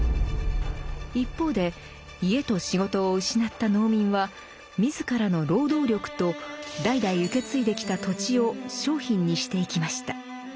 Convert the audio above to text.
一方で家と仕事を失った農民は自らの労働力と代々受け継いできた土地を「商品」にしていきました。